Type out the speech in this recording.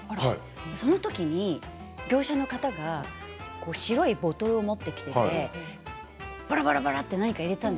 そのときに業者の方が白いボトルを持ってきてばらばらと何かを入れました。